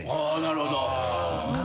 なるほど。